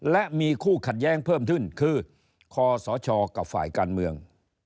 และมีคู่ขัดแย้งเพิ่มขึ้นคือคอสชกับฝ่ายการเมือง